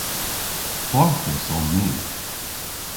Hwarthus on ni.